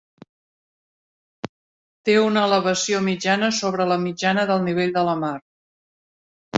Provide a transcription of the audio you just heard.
Té una elevació mitjana sobre la mitjana del nivell de la mar.